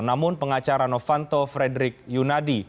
namun pengacara novanto frederick yunadi